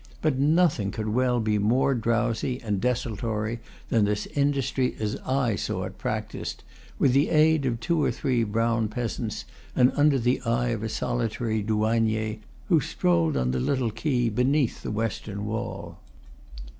But nothing could well be more drowsy and desultory than this industry as I saw it practised, with the aid of two or three brown peasants and under the eye of a solitary douanier, who strolled on the little quay beneath the western wall.